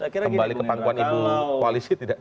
kembali ke pangkuan ibu koalisi tidak